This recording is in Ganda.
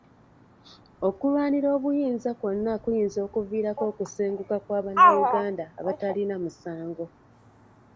Okulwanira obuyinza kwonna kuyinza okuviirako okusenguka kwa bannayuganda abatalina musango.